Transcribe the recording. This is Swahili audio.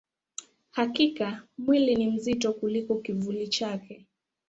Hakika, mwili ni mzito kuliko kivuli chake.